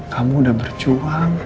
kamu udah berjuang